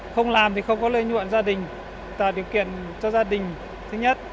không làm thì không có lợi nhuận gia đình tạo điều kiện cho gia đình thứ nhất